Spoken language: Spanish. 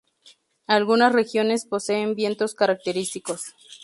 Algunas regiones poseen vientos característicos.